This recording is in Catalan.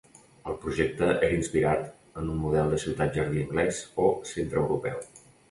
El projecte era inspirat en un model de ciutat jardí anglès o centreeuropeu.